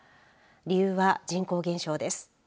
理由は人口減少です。